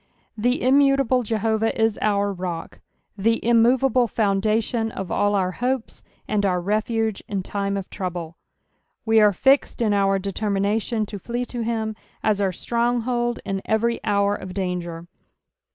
The immutable Jehovah Is our roet, the immov able foundation of all our hopes and' our refuge in time of trouble: we are fixed in oar determination to flee to him as our stronghold in every hour of danger.